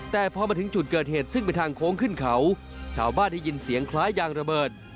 แต่พอมาถึงจุดเกิดเหตุซึ่งเป็นทางโค้งขึ้นเขาชาวบ้านได้ยินเสียงคล้ายยางระเบิด